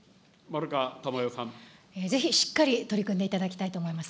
ぜひしっかり取り組んでいただきたいと思います。